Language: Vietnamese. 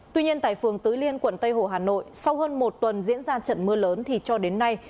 tuy nhiên tại phường tứ liên quận tây hồ hà nội sau hơn một tuần diễn ra trận mưa lớn thì cho đến nay